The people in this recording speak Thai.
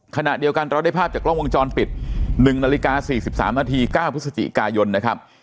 ขณะเดียวกันเราได้ภาพจากกล้องวงจรปิด๑นาฬิกา๔๓นาที๙พฤศจิกายนนะครับ